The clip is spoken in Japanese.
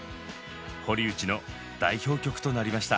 堀内の代表曲となりました。